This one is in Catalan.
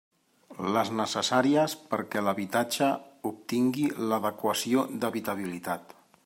Les necessàries perquè l'habitatge obtingui l'adequació d'habitabilitat.